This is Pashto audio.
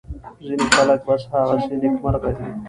ځینې خلک بس هسې نېکمرغه دي.